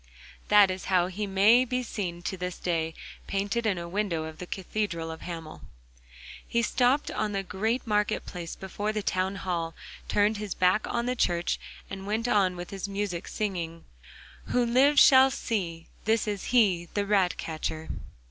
That is how he may be seen to this day, painted on a window of the cathedral of Hamel. He stopped on the great market place before the town hall, turned his back on the church and went on with his music, singing: 'Who lives shall see: This is he, The ratcatcher.